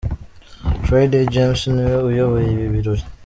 Friday James ni we uyoboye ibi birori.